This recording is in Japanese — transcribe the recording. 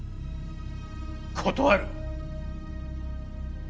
断る。